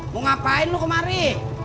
mau ngapain lu kemari